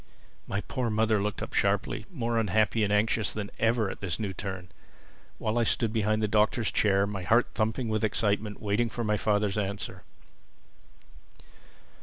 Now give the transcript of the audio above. My poor mother looked up sharply, more unhappy and anxious than ever at this new turn; while I stood behind the Doctor's chair, my heart thumping with excitement, waiting for my father's answer.